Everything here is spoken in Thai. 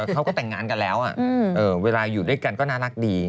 เขาก็แต่งงานกันแล้วเวลาอยู่ด้วยกันก็น่ารักดี